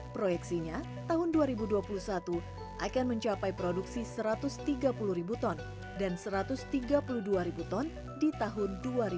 proyeksinya tahun dua ribu dua puluh satu akan mencapai produksi satu ratus tiga puluh ribu ton dan satu ratus tiga puluh dua ribu ton di tahun dua ribu dua puluh satu